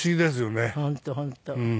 本当本当。